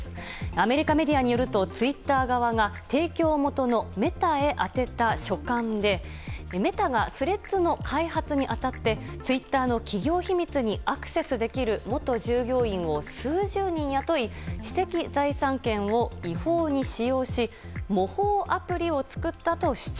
アメリカメディアによるとツイッター側が提供元のメタへ宛てた書簡でメタがスレッズの開発に当たってツイッターの企業秘密にアクセスできる元従業員を数十人雇い、知的財産権を違法に使用し模倣アプリを作ったと主張。